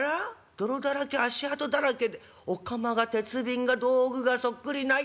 泥だらけ足跡だらけでお釜が鉄瓶が道具がそっくりない。